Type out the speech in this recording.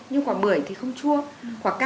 nhưng quả bưởi thì không chua